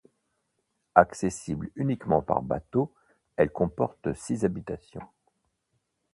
Accessible uniquement par bateau, elle comporte six habitations.